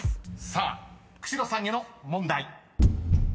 ［さあ久代さんへの問題］